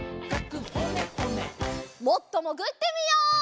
もっともぐってみよう。